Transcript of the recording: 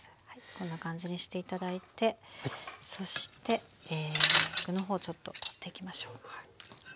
こんな感じにして頂いてそして具の方ちょっと取っていきましょう。